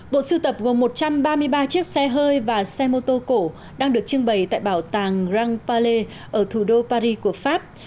bộ sưu tập gồm một trăm ba mươi ba chiếc xe hơi và xe mô tô cổ đang được trưng bày tại bảo tàng rang pale ở thủ đô paris của pháp